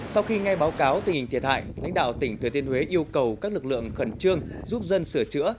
sau khi nghe báo cáo tình hình thiệt hại lãnh đạo tỉnh thừa thiên huế yêu cầu các lực lượng khẩn trương giúp dân sửa chữa